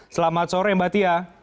selamat sore mbak tia